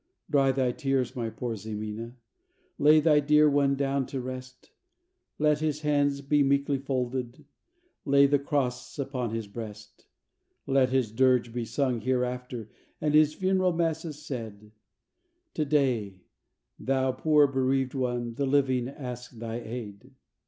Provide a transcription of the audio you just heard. Dry thy tears, my poor Ximena; lay thy dear one down to rest; Let his hands be meekly folded, lay the cross upon his breast; Let his dirge be sung hereafter, and his funeral masses said; To day, thou poor bereaved one, the living ask thy aid.